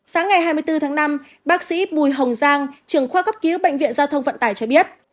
sáng ngày hai mươi bốn tháng năm bác sĩ bùi hồng giang trưởng khoa cấp cứu bệnh viện giao thông vận tải cho biết